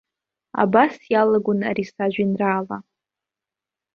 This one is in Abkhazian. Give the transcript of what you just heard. Абас иалагон ари сажәеинраала.